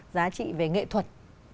giá trị về nghệ thuật